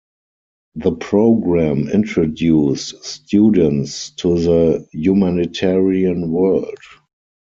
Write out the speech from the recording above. The program Introduce students to the humanitarian world.